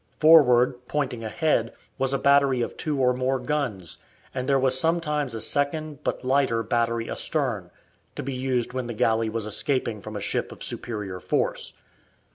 Forward, pointing ahead, was a battery of two or more guns, and there was sometimes a second but lighter battery astern, to be used when the galley was escaping from a ship of superior force.